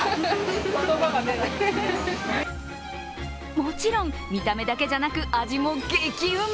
もちろん、見た目だけじゃなく味も激うま！